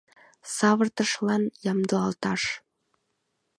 — Савыртышлан ямдылалташ!